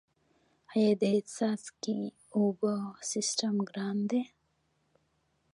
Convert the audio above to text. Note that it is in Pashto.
آیا د څاڅکي اوبو سیستم ګران دی؟